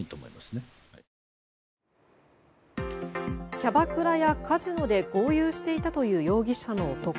キャバクラやカジノで豪遊していたという容疑者の男。